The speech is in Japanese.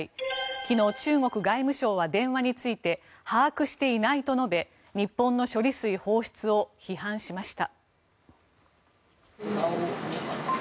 昨日、中国外務省は電話について把握していないと述べ日本の処理水放出を批判しました。